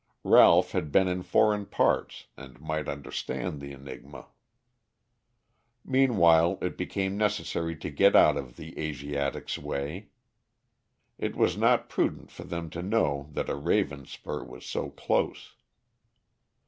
Ralph had been in foreign parts and might understand the enigma. Meanwhile it became necessary to get out of the Asiatics' way. It was not prudent for them to know that a Ravenspur was so close.